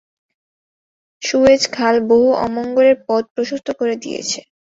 Suez খাল বহু অমঙ্গলের পথ প্রশস্ত করে দিয়েছে।